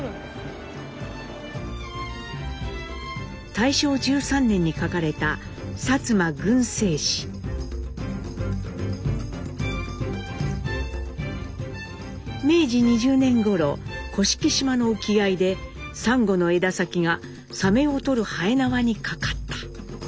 大正１３年に書かれた明治２０年ごろ甑島の沖合でサンゴの枝先がサメを捕るはえなわに掛かった。